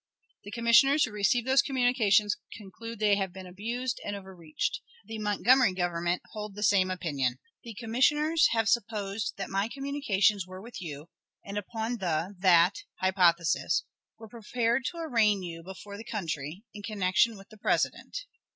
The commissioners who received those communications conclude they have been abused and overreached. The Montgomery Government hold the same opinion. The commissioners have supposed that my communications were with you, and upon the [that] hypothesis were prepared to arraign you before the country, in connection with the President.